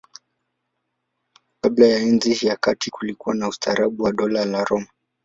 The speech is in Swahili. Kabla ya Enzi ya Kati kulikuwa na ustaarabu wa Dola la Roma.